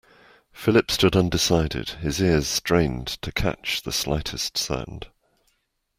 Philip stood undecided, his ears strained to catch the slightest sound.